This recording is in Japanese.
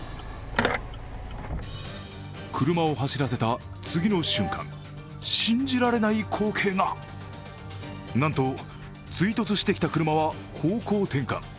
車を走らせた次の瞬間信じられない光景がなんと、追突してきた車は方向転換。